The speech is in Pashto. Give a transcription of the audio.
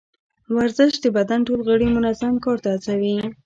ورزش د بدن ټول غړي منظم کار ته هڅوي.